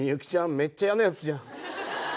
めっちゃ嫌なやつじゃん。